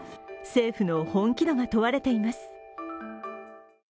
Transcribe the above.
政府の本気度が問われています。